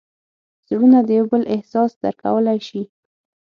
زړونه د یو بل احساس درک کولی شي.